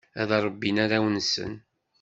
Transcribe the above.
Ad rebbin arraw-nsen.